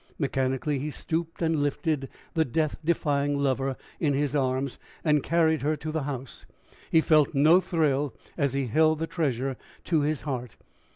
Mechanically he stooped and lifted the death defying lover in his arms, and carried her to the house. He felt no thrill as he held the treasure to his heart.